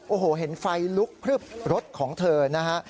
โอ้โหเห็นไฟลุกพลึบรถของเธอนะฮะ